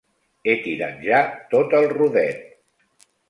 He tirat ja tot el rodet.